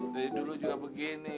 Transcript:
dari dulu juga begini